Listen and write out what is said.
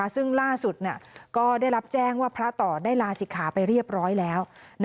ซึ่งล่าสุดก็ได้รับแจ้งว่าพระต่อได้ลาศิกขาไปเรียบร้อยแล้ว